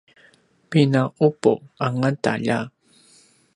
pina’upu angauta lja!